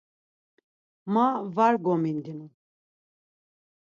Ma var gomindunu.